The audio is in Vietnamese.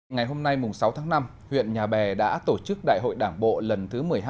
ngày hôm nay sáu tháng năm huyện nhà bè đã tổ chức đại hội đảng bộ lần thứ một mươi hai